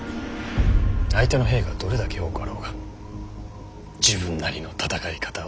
相手の兵がどれだけ多かろうが自分なりの戦い方をしてみせる。